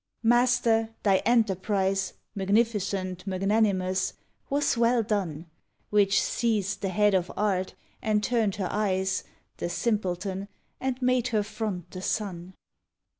Master, thy enterprise, Magnificent, magnanimous, was well done, Which seized, the head of Art, and turned her eyes— The simpleton—and made her front the sun.